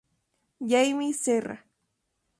Jaime Serra